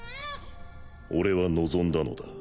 俺は望んだのだ。